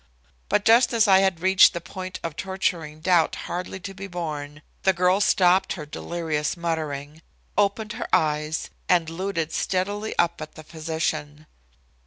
But just as I had reached the point of torturing doubt hardly to be borne, the girl stopped her delirious muttering, opened her eyes and looted steadily up at the physician.